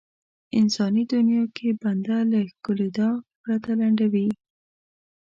انساني دنيا کې بنده له ښکېلېدا پرته لنډوي.